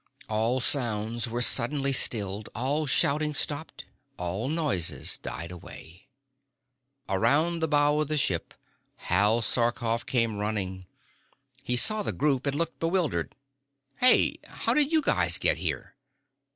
All sounds were suddenly stilled, all shouting stopped, all noises died away. Around the bow of the ship Hal Sarkoff came running. He saw the group and looked bewildered. "Hey! How did you guys get here?"